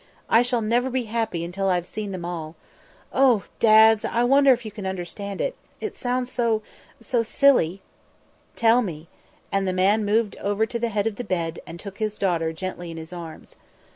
"I shall never be happy until I have seen them all. Oh! Dads, I wonder if you can understand; it it sounds so so silly " "Tell me," and the man moved over to the head of the bed and took his daughter gently in his arms.